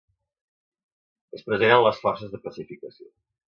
És present en les forces de pacificació.